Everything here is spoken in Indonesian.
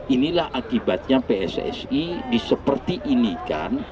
inilah akibatnya pssi diseperti ini kan